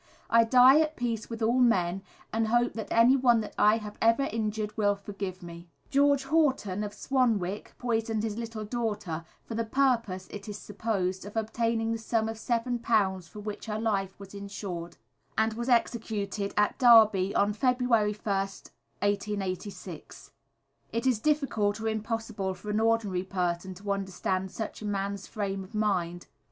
I die at peace with all men, and hope that anyone that I have ever injured will forgive me." George Horton, of Swanwick, poisoned his little daughter; for the purpose, it is supposed, of obtaining the sum of £7 for which her life was insured; and was executed at Derby on February 1st, 1886. It is difficult, or impossible, for an ordinary person to understand such a man's frame of mind.